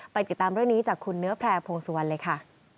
ติดตามเรื่องนี้จากคุณเนื้อแพร่พงสุวรรณเลยค่ะ